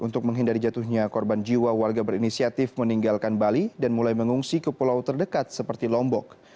untuk menghindari jatuhnya korban jiwa warga berinisiatif meninggalkan bali dan mulai mengungsi ke pulau terdekat seperti lombok